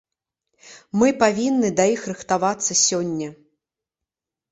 Мы павінны да іх рыхтавацца сёння.